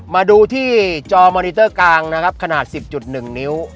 มาดูที่จอมอนิเตอร์กลางนะครับขนาด๑๐๑นิ้ว